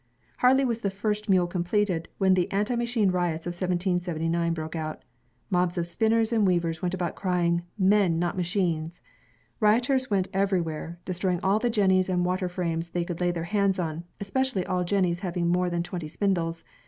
Hardly was the first mule completed, when the anti machine riots of 1779 broke out. Mobs of spinners and weavers went about crying, " Men, not machines." Rioters went everywhere, destroying all the jennies and water frames they could lay their hands on, especially all jennies having more than twenty spindles.